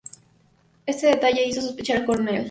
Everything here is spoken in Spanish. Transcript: Ese detalle hizo sospechar al coronel.